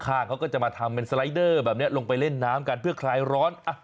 เขาก็จะมาทำเป็นสไลเดอร์แบบนี้ลงไปเล่นน้ำกันเพื่อคลายร้อน